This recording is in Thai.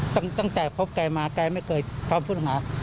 ตั้งแต่พบแกมาไม่เคยพบหา